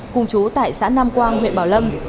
cùng chú tại xã nam quang huyện bảo lâm